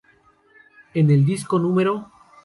En el disco No.